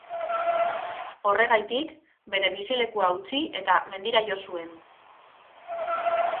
Horregatik, bere bizilekua utzi eta mendira jo zuen.